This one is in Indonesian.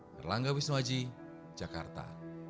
terlanggap wisnuhaji jakarta